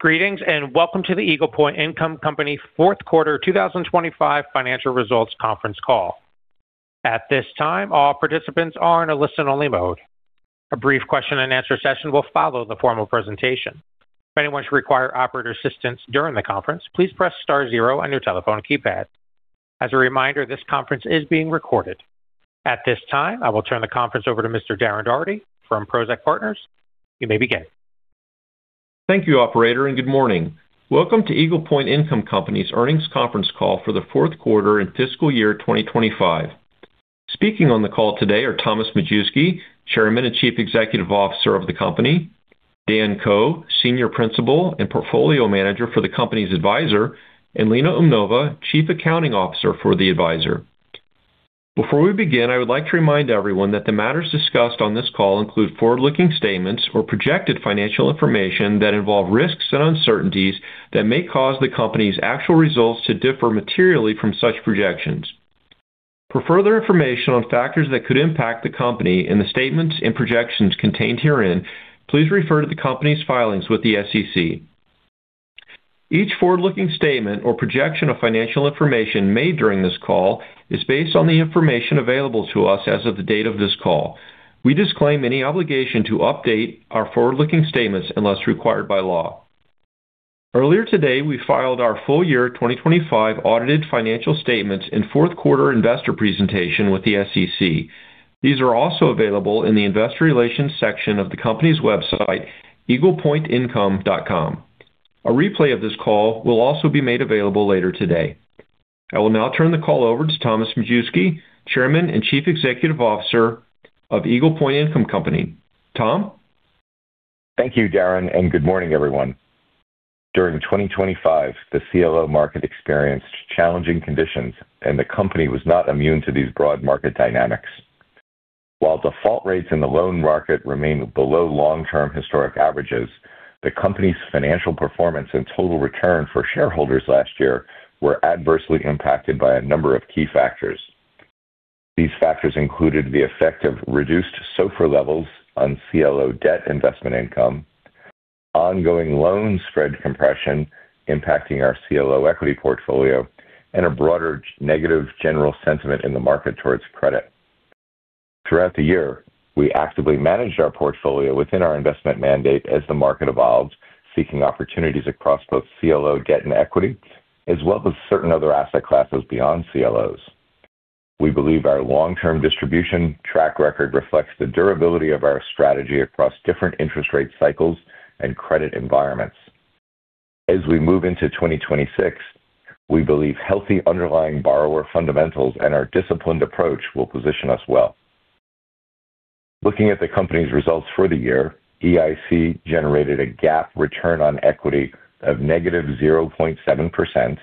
Greetings. Welcome to the Eagle Point Income Company fourth quarter 2025 financial results conference call. At this time, all participants are in a listen-only mode. A brief question-and-answer session will follow the formal presentation. If anyone should require operator assistance during the conference, please press star zero on your telephone keypad. As a reminder, this conference is being recorded. At this time, I will turn the conference over to Mr. Darren Daugherty from Prosek Partners. You may begin. Thank you, operator, and good morning. Welcome to Eagle Point Income Company's earnings conference call for the fourth quarter and fiscal year 2025. Speaking on the call today are Thomas Majewski, Chairman and Chief Executive Officer of the company, Daniel Ko, Senior Principal and Portfolio Manager for the company's advisor, and Lena Umnova, Chief Accounting Officer for the advisor. Before we begin, I would like to remind everyone that the matters discussed on this call include forward-looking statements or projected financial information that involve risks and uncertainties that may cause the company's actual results to differ materially from such projections. For furtheri information on factors that could impact the company and the statements and projections contained herein, please refer to the company's filings with the SEC. Each forward-looking statement or projection of financial information made during this call is based on the information available to us as of the date of this call. We disclaim any obligation to update our forward-looking statements unless required by law. Earlier today, we filed our full year 2025 audited financial statements and fourth quarter investor presentation with the SEC. These are also available in the Investor Relations section of the company's website, eaglepointincome.com. A replay of this call will also be made available later today. I will now turn the call over to Thomas Majewski, Chairman and Chief Executive Officer of Eagle Point Income Company. Tom? Thank you, Darren. Good morning, everyone. During 2025, the CLO market experienced challenging conditions. The company was not immune to these broad market dynamics. While default rates in the loan market remained below long-term historic averages, the company's financial performance and total return for shareholders last year were adversely impacted by a number of key factors. These factors included the effect of reduced SOFR levels on CLO Debt Investment Income, ongoing loan spread compression impacting our CLO Equity portfolio, and a broader negative general sentiment in the market towards credit. Throughout the year, we actively managed our portfolio within our investment mandate as the market evolved, seeking opportunities across both CLO Debt and equity, as well as certain other asset classes beyond CLOs. We believe our long-term distribution track record reflects the durability of our strategy across different interest rate cycles and credit environments. As we move into 2026, we believe healthy underlying borrower fundamentals and our disciplined approach will position us well. Looking at the company's results for the year, EIC generated a GAAP return on equity of -0.7%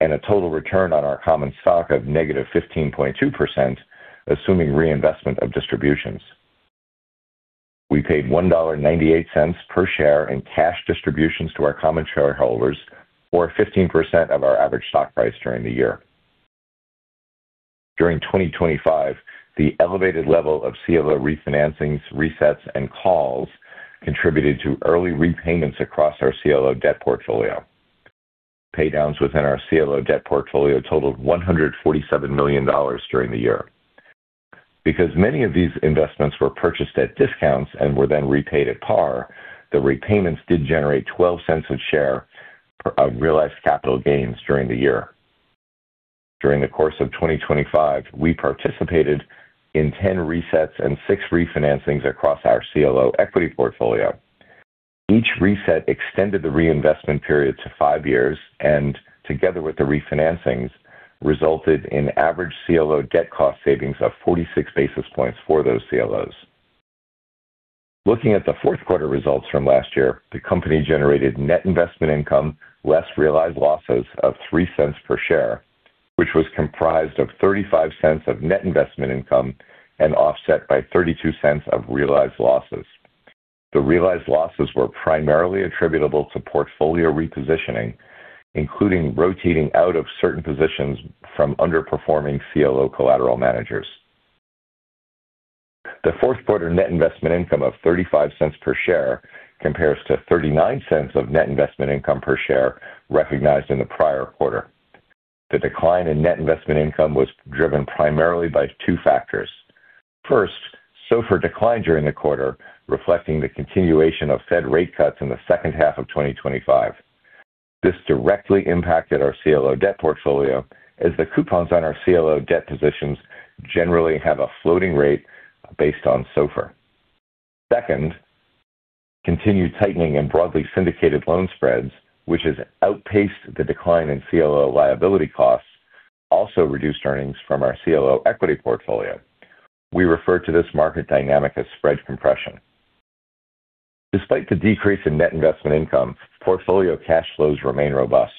and a total return on our common stock of -15.2%, assuming reinvestment of distributions. We paid $1.98 per share in cash distributions to our common shareholders, or 15% of our average stock price during the year. During 2025, the elevated level of CLO Refinancings, Resets, and Calls contributed to early repayments across our CLO Debt portfolio. Paydowns within our CLO Debt portfolio totaled $147 million during the year. Many of these investments were purchased at discounts and were then repaid at par, the repayments did generate $0.12 a share of realized capital gains during the year. During the course of 2025, we participated in 10 Resets and six Refinancings across our CLO Equity portfolio. Each reset extended the reinvestment period to five years, and together with the Refinancings, resulted in average CLO Debt cost savings of 46 basis points for those CLOs. Looking at the 4th quarter results from last year, the company generated net-investment income, less realized losses of $0.03 per share, which was comprised of $0.35 of net investment income and offset by $0.32 of realized losses. The realized losses were primarily attributable to portfolio repositioning, including rotating out of certain positions from underperforming CLO collateral managers. The fourth quarter net investment income of $0.35 per share compares to $0.39 of net investment income per share recognized in the prior quarter. The decline in net investment income was driven primarily by two factors. First, SOFR declined during the quarter, reflecting the continuation of Fed Rate cuts in the second half of 2025. This directly impacted our CLO Debt portfolio, as the coupons on our CLO Debt positions generally have a floating rate based on SOFR. Second, continued tightening in broadly syndicated loan spreads, which has outpaced the decline in CLO liability costs, also reduced earnings from our CLO Equity portfolio. We refer to this market dynamic as spread compression. Despite the decrease in net investment income, portfolio cash flows remain robust.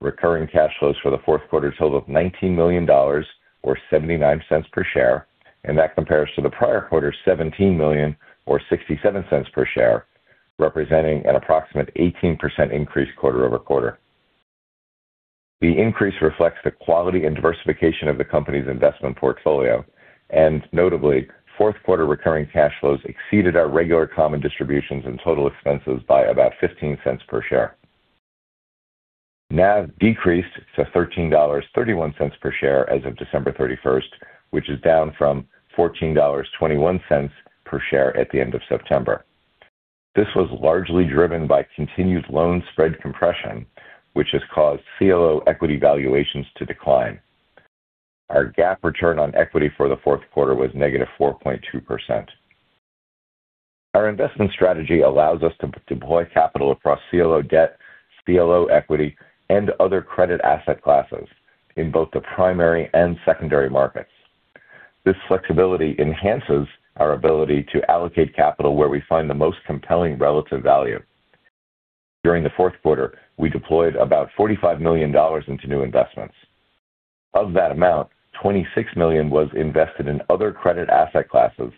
Recurring cash flows for the fourth quarter totaled $19 million, or $0.79 per share, that compares to the prior quarter's $17 million or $0.67 per share, representing an approximate 18% increase quarter-over-quarter. The increase reflects the quality and diversification of the company's investment portfolio. Notably, fourth quarter recurring cash flows exceeded our regular common distributions and total expenses by about $0.15 per share. NAV decreased to $13.31 per share as of December 31st, which is down from $14.21 per share at the end of September. This was largely driven by continued loan spread compression, which has caused CLO Equity valuations to decline. Our GAAP return on equity for the fourth quarter was -4.2%. Our investment strategy allows us to deploy capital across CLO Debt, CLO Equity, and other credit asset classes in both the Primary and Secondary markets. This flexibility enhances our ability to allocate capital where we find the most compelling relative value. During the fourth quarter, we deployed about $45 million into new investments. Of that amount, $26 million was invested in other credit asset classes,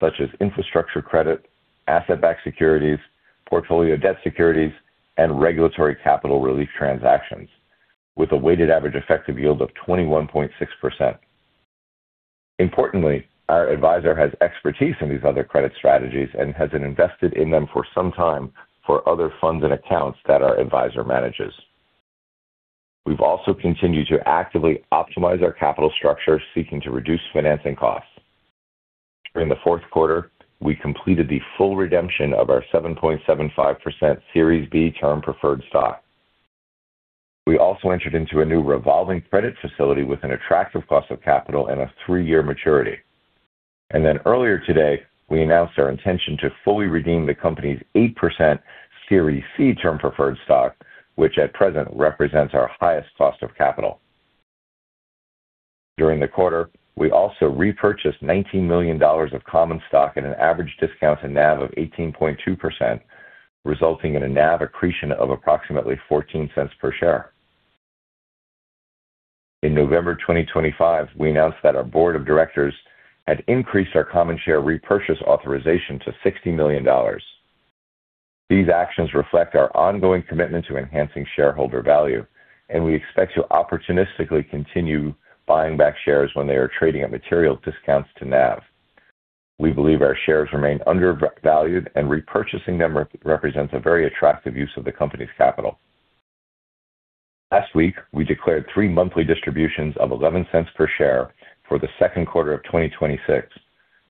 such as infrastructure credit, asset-backed securities, Portfolio Debt Securities, and regulatory capital relief transactions, with a weighted average effective yield of 21.6%. Importantly, our advisor has expertise in these other credit strategies and has been invested in them for some time for other funds and accounts that our advisor manages. We've also continued to actively optimize our capital structure, seeking to reduce financing costs. During the fourth quarter, we completed the full redemption of our 7.75% Series B Term Preferred Stock. We also entered into a new revolving credit facility with an attractive cost of capital and a three-year maturity. Earlier today, we announced our intention to fully redeem the company's 8% Series C Term Preferred Stock, which at present represents our highest cost of capital. During the quarter, we also repurchased $19 million of common stock at an average discount to NAV of 18.2%, resulting in a NAV accretion of approximately $0.14 per share. In November 2025, we announced that our board of directors had increased our common share repurchase authorization to $60 million. These actions reflect our ongoing commitment to enhancing shareholder value, and we expect to opportunistically continue buying back shares when they are trading at material discounts to NAV. We believe our shares remain undervalued, and repurchasing them represents a very attractive use of the company's capital. Last week, we declared three monthly distributions of $0.11 per share for the second quarter of 2026,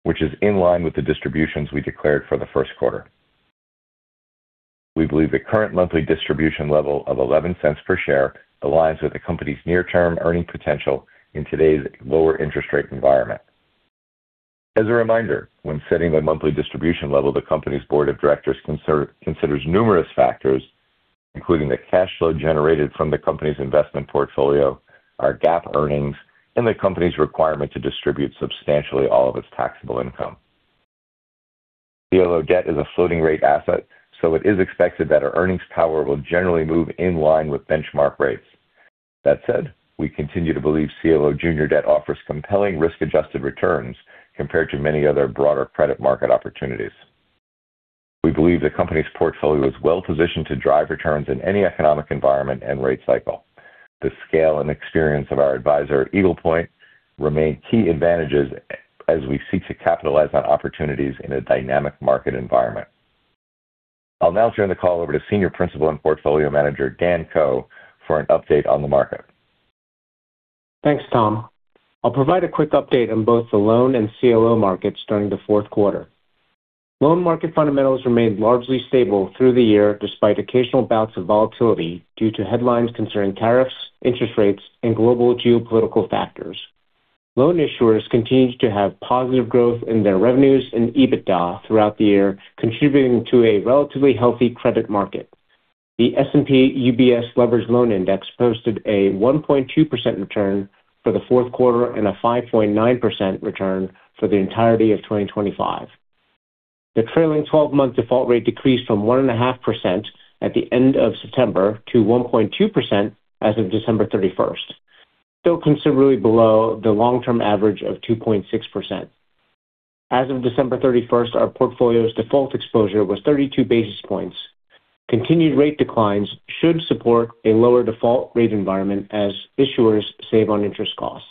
which is in line with the distributions we declared for the first quarter. We believe the current monthly distribution level of $0.11 per share aligns with the company's near-term earning potential in today's lower interest rate environment. As a reminder, when setting the monthly distribution level, the company's Board of Directors considers numerous factors, including the cash flow generated from the company's investment portfolio, our GAAP earnings, and the company's requirement to distribute substantially all of its taxable income. CLO Debt is a floating rate asset, so it is expected that our earnings power will generally move in line with benchmark rates. That said, we continue to believe CLO Junior Debt offers compelling risk-adjusted returns compared to many other broader credit market opportunities. We believe the company's portfolio is well-positioned to drive returns in any economic environment and rate cycle. The scale and experience of our advisor at Eagle Point remain key advantages as we seek to capitalize on opportunities in a dynamic market environment. I'll now turn the call over to Senior Principal and Portfolio Manager Daniel Ko, for an update on the market. Thanks, Tom. I'll provide a quick update on both the loan and CLO markets during the fourth quarter. Loan market fundamentals remained largely stable through the year, despite occasional bouts of volatility due to headlines concerning tariffs, interest rates, and global geopolitical factors. Loan issuers continued to have positive growth in their revenues and EBITDA throughout the year, contributing to a relatively healthy credit market. The S&P UBS Leveraged Loan Index posted a 1.2% return for the fourth quarter and a 5.9% return for the entirety of 2025. The trailing 12-month default rate decreased from 1.5% at the end of September to 1.2% as of December 31st, still considerably below the long-term average of 2.6%. As of December 31st, our portfolio's default exposure was 32 basis points. Continued rate declines should support a lower default rate environment as issuers save on interest costs.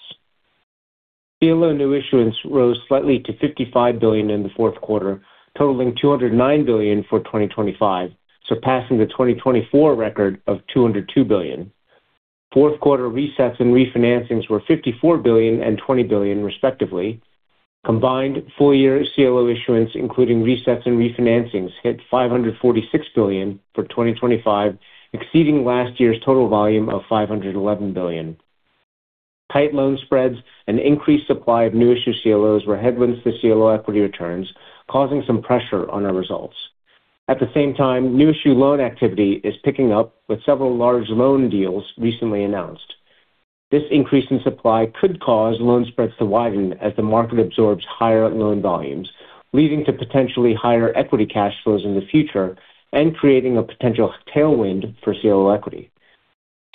CLO new issuance rose slightly to $55 billion in the fourth quarter, totaling $209 billion for 2025, surpassing the 2024 record of $202 billion. Fourth quarter resets and refinancings were $54 billion and $20 billion, respectively. Combined full year CLO Issuance, including resets and refinancings, hit $546 billion for 2025, exceeding last year's total volume of $511 billion. Tight loan spreads and increased supply of new issue CLOs were headwinds to CLO Equity returns, causing some pressure on our results. At the same time, new issue loan activity is picking up, with several large loan deals recently announced. This increase in supply could cause loan spreads to widen as the market absorbs higher loan volumes, leading to potentially higher equity cash flows in the future and creating a potential tailwind for CLO Equity.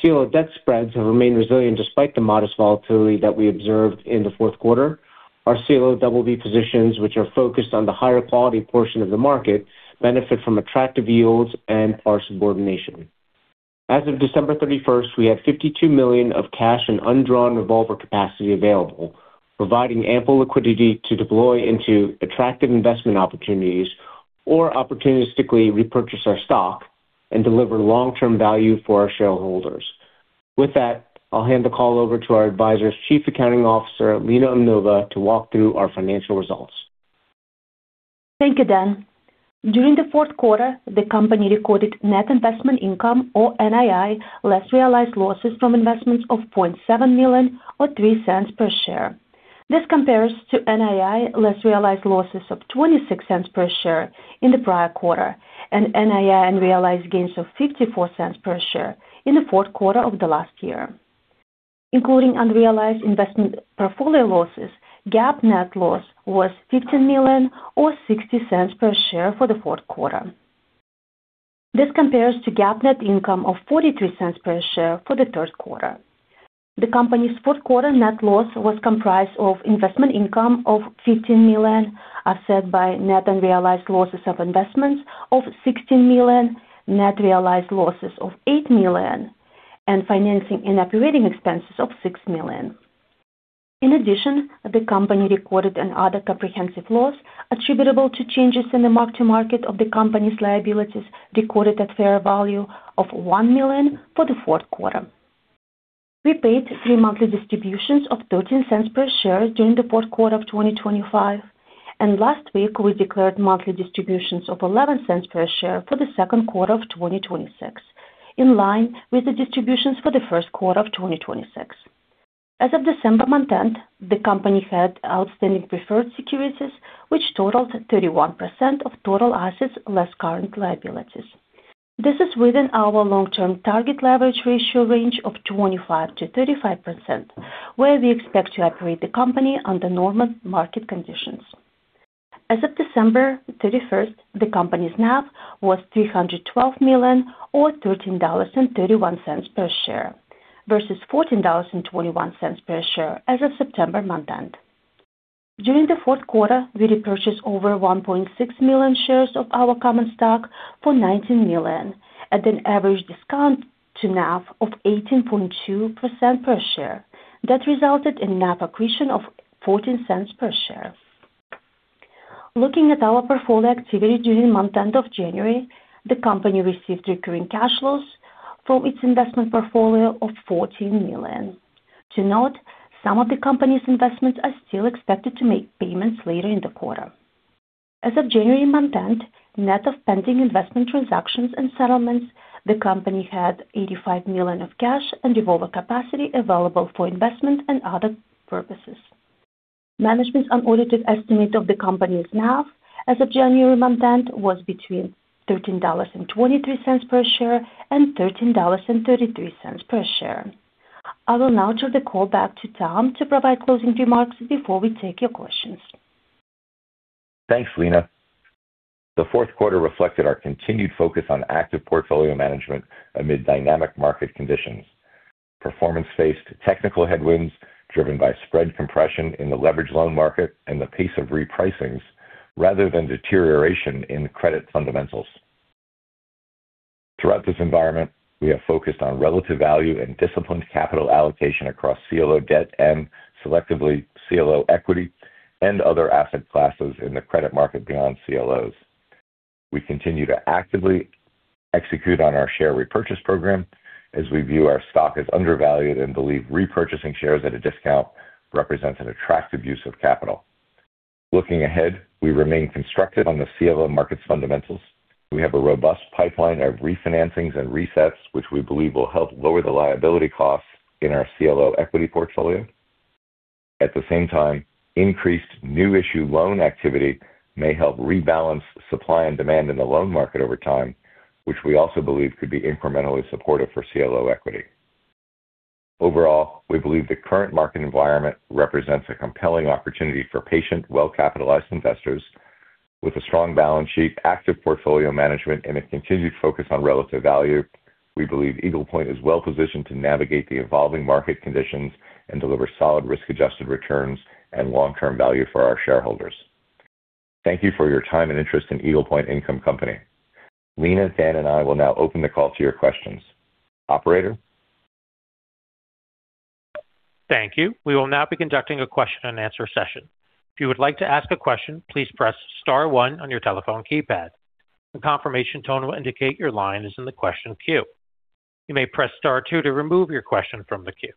CLO Debt spreads have remained resilient despite the modest volatility that we observed in the fourth quarter. Our CLO double B positions, which are focused on the higher quality portion of the market, benefit from attractive yields and our subordination. As of December thirty-first, we had $52 million of cash and undrawn revolver capacity available, providing ample liquidity to deploy into attractive investment opportunities or opportunistically repurchase our stock and deliver long-term value for our shareholders. With that, I'll hand the call over to our advisor's Chief Accounting Officer, Lena Umnova, to walk through our financial results. Thank you, Dan. During the fourth quarter, the company recorded net investment income, or NII, less realized losses from investments of $0.7 million or $0.03 per share. This compares to NII less realized losses of $0.26 per share in the prior quarter, and NII and realized gains of $0.54 per share in the fourth quarter of the last year. Including unrealized investment portfolio losses, GAAP net loss was $15 million or $0.60 per share for the fourth quarter. This compares to GAAP net income of $0.43 per share for the third quarter. The company's fourth quarter net loss was comprised of investment income of $15 million, offset by net unrealized losses of investments of $16 million, net realized losses of $8 million, and financing and operating expenses of $6 million. In addition, the company recorded an other comprehensive loss attributable to changes in the mark-to-market of the company's liabilities, recorded at fair value of $1 million for the fourth quarter. We paid three monthly distributions of $0.13 per share during the fourth quarter of 2025. Last week we declared monthly distributions of $0.11 per share for the second quarter of 2026, in line with the distributions for the first quarter of 2026. As of December month-end, the company had outstanding preferred securities, which totaled 31% of total assets, less current liabilities. This is within our long-term target leverage ratio range of 25%-35%, where we expect to operate the company under normal market conditions. As of December 31st, the company's NAV was $312 million, or $13.31 per share, versus $14.21 per share as of September month-end. During the fourth quarter, we repurchased over 1.6 million shares of our common stock for $19 million at an average discount to NAV of 18.2% per share. That resulted in NAV accretion of $0.14 per share. Looking at our portfolio activity during month-end of January, the company received recurring cash flows from its investment portfolio of $14 million. To note, some of the company's investments are still expected to make payments later in the quarter. As of January month-end, net of pending investment transactions and settlements, the company had $85 million of cash and revolver capacity available for investment and other purposes. Management's unaudited estimate of the company's NAV as of January month-end was between $13.23 per share and $13.33 per share. I will now turn the call back to Tom to provide closing remarks before we take your questions. Thanks, Lena. The fourth quarter reflected our continued focus on active portfolio management amid dynamic market conditions. Performance faced technical headwinds driven by spread compression in the leveraged loan market and the pace of repricings, rather than deterioration in credit fundamentals. Throughout this environment, we have focused on relative value and disciplined capital allocation across CLO Debt and selectively CLO Equity and other asset classes in the credit market beyond CLOs. We continue to actively execute on our share repurchase program as we view our stock as undervalued and believe repurchasing shares at a discount represents an attractive use of capital. Looking ahead, we remain constructive on the CLO markets fundamentals. We have a robust pipeline of refinancings and resets, which we believe will help lower the liability costs in our CLO Equity portfolio. At the same time, increased new issue loan activity may help rebalance supply and demand in the loan market over time, which we also believe could be incrementally supportive for CLO Equity. Overall, we believe the current market environment represents a compelling opportunity for patient, well-capitalized investors. With a strong balance sheet, active portfolio management, and a continued focus on relative value, we believe Eagle Point is well positioned to navigate the evolving market conditions and deliver solid risk-adjusted returns and long-term value for our shareholders. Thank you for your time and interest in Eagle Point Income Company. Lena, Dan, and I will now open the call to your questions. Operator? Thank you. We will now be conducting a question-and-answer session. If you would like to ask a question, please press star one on your telephone keypad. A confirmation tone will indicate your line is in the question queue. You may press star two to remove your question from the queue.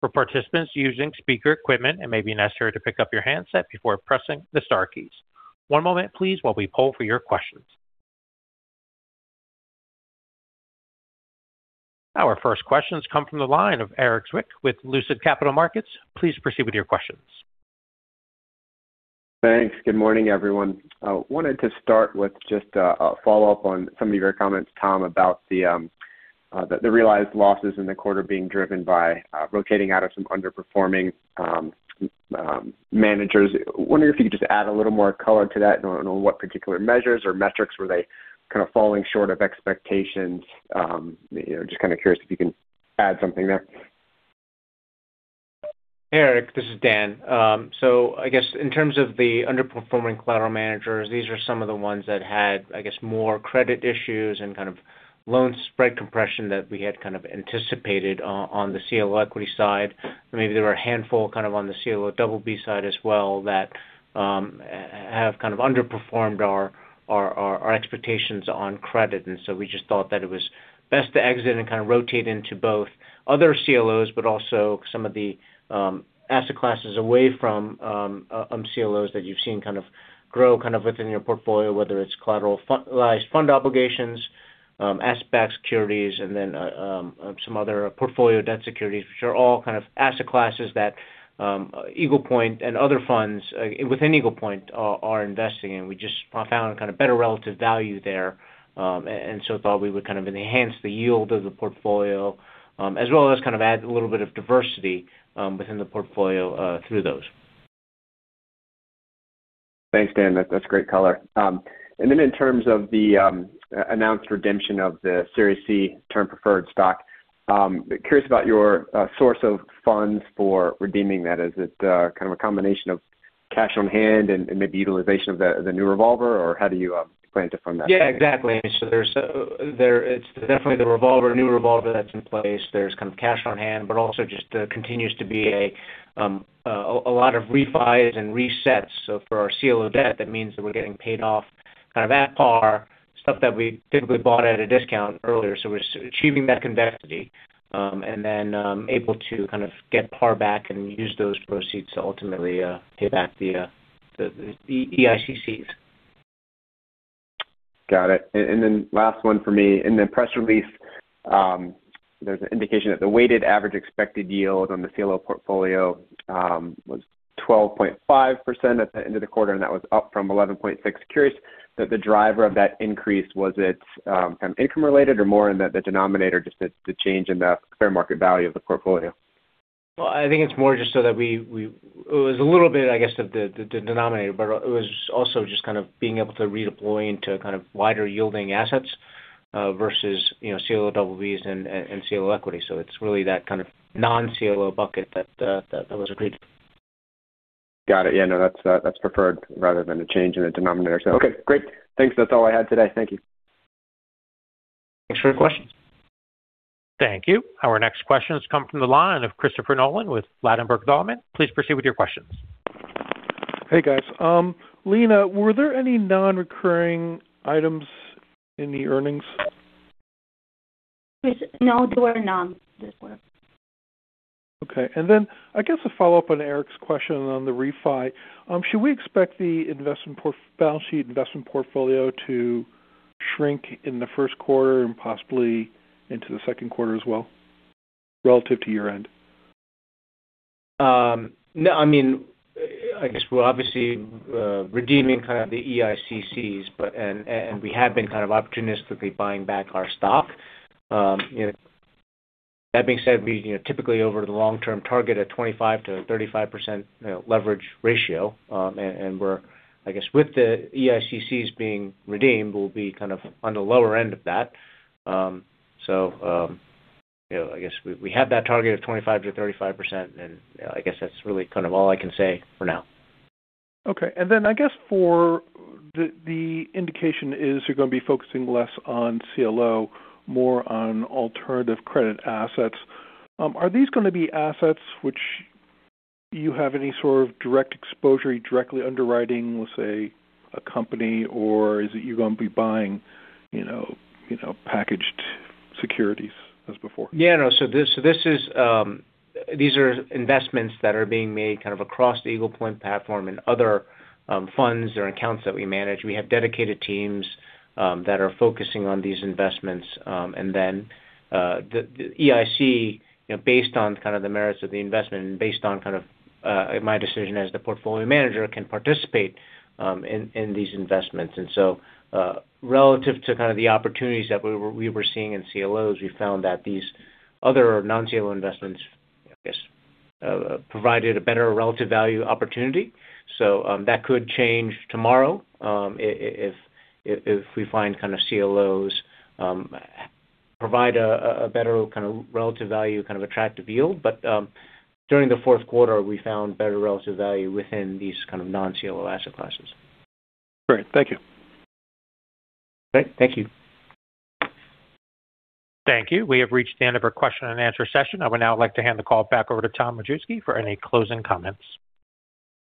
For participants using speaker equipment, it may be necessary to pick up your handset before pressing the star keys. One moment please while we poll for your questions. Our first questions come from the line of Erik Zwick with Lucid Capital Markets. Please proceed with your questions. Thanks. Good morning, everyone. I wanted to start with just a follow-up on some of your comments, Tom, about the realized losses in the quarter being driven by rotating out of some underperforming managers. I wonder if you could just add a little more color to that and on what particular measures or metrics were they kind of falling short of expectations? You know, just kind of curious. add something there? Erik, this is Dan Ko. I guess in terms of the underperforming collateral managers, these are some of the ones that had, I guess, more credit issues and kind of loan spread compression that we had kind of anticipated on the CLO Equity side. Maybe there were a handful kind of on the CLO BB side as well, that have kind of underperformed our expectations on credit. We just thought that it was best to exit and kind of rotate into both other CLOs, but also some of the asset classes away from CLOs that you've seen kind of grow, kind of within your portfolio, whether it's collateralized fund obligations, asset-backed securities, and then some other Portfolio Debt Securities, which are all kind of asset classes that Eagle Point and other funds within Eagle Point are investing in. We just found kind of better relative value there, and so thought we would kind of enhance the yield of the portfolio, as well as kind of add a little bit of diversity within the portfolio through those. Thanks, Dan. That's great color. In terms of the announced redemption of the Series C Term Preferred Stock, curious about your source of funds for redeeming that. Is it kind of a combination of cash on hand and maybe utilization of the new revolver, or how do you plan to fund that? Yeah, exactly. It's definitely the revolver, new revolver that's in place. There's kind of cash on hand, but also just continues to be a lot of refis and resets. For our CLO Debt, that means that we're getting paid off kind of at par, stuff that we typically bought at a discount earlier. We're achieving that convexity, and then able to kind of get par back and use those proceeds to ultimately pay back the EICCs. Got it. Last one for me. In the press release, there's an indication that the weighted average expected yield on the CLO portfolio was 12.5% at the end of the quarter, and that was up from 11.6%. Curious that the driver of that increase, was it kind of income related or more in the denominator, just the change in the fair market value of the portfolio? Well, I think it's more just so that we, it was a little bit, I guess, of the denominator, but it was also just kind of being able to redeploy into kind of wider yielding assets, versus, you know, CLO BBs and CLO Equity. It's really that kind of non-CLO bucket that was agreed. Got it. Yeah, no, that's preferred rather than a change in the denominator. Okay, great. Thanks. That's all I had today. Thank you. Thanks for the question. Thank you. Our next question has come from the line of Christopher Nolan with Ladenburg Thalmann. Please proceed with your questions. Hey, guys. Lena, were there any non-recurring items in the earnings? No, there were none this quarter. Okay. Then I guess a follow-up on Erik's question on the refi. Should we expect the balance sheet investment portfolio to shrink in the first quarter and possibly into the second quarter as well, relative to year-end? No. I mean, I guess we're obviously redeeming kind of the EICCs, but we have been kind of opportunistically buying back our stock. You know, that being said, we, you know, typically over the long-term, target at 25%-35% you know, leverage ratio. We're, I guess, with the EICCs being redeemed, we'll be kind of on the lower end of that. You know, I guess we have that target of 25%-35%, and I guess that's really kind of all I can say for now. Okay. I guess for the indication is you're going to be focusing less on CLO, more on alternative credit assets. Are these going to be assets which you have any sort of direct exposure, you're directly underwriting, let's say, a company? Is it you're going to be buying, you know, packaged securities as before? Yeah, no. This is, these are investments that are being made kind of across the Eagle Point platform and other funds or accounts that we manage. We have dedicated teams that are focusing on these investments. The EIC, you know, based on kind of the merits of the investment and based on kind of my decision as the portfolio manager, can participate in these investments. Relative to kind of the opportunities that we were seeing in CLOs, we found that these other non-CLO investments, I guess, provided a better relative value opportunity. That could change tomorrow if we find kind of CLOs provide a better kind of relative value, kind of attractive yield. During the fourth quarter, we found better relative value within these kind of non-CLO asset classes. Great. Thank you. Great. Thank you. Thank you. We have reached the end of our question and answer session. I would now like to hand the call back over to Tom Majewski for any closing comments.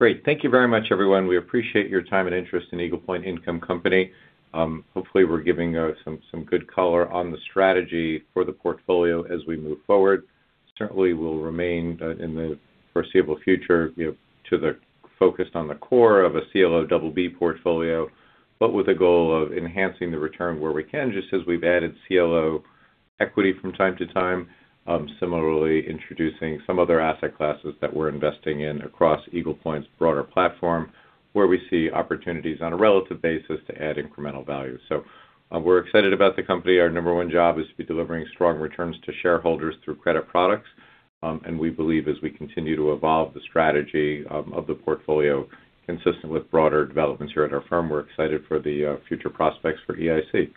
Great. Thank you very much, everyone. We appreciate your time and interest in Eagle Point Income Company. Hopefully, we're giving some good color on the strategy for the portfolio as we move forward. Certainly, we'll remain in the foreseeable future, you know, to the focused on the core of a CLO BB portfolio, but with the goal of enhancing the return where we can, just as we've added CLO Equity from time to time. Similarly, introducing some other asset classes that we're investing in across Eagle Point's broader platform, where we see opportunities on a relative basis to add incremental value. We're excited about the company. Our number one job is to be delivering strong returns to shareholders through credit products. We believe as we continue to evolve the strategy of the portfolio, consistent with broader developments here at our firm, we're excited for the future prospects for EIC.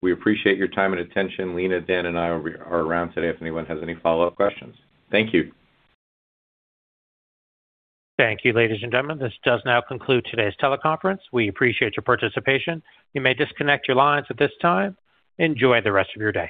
We appreciate your time and attention. Lena, Dan, and I are around today if anyone has any follow-up questions. Thank you. Thank you, ladies and gentlemen. This does now conclude today's teleconference. We appreciate your participation. You may disconnect your lines at this time. Enjoy the rest of your day.